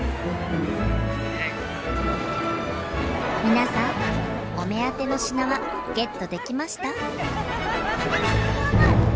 皆さんお目当ての品はゲットできました？